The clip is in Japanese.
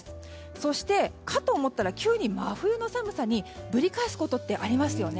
そして、かと思ったら急に真冬の寒さにぶり返すことってありますよね。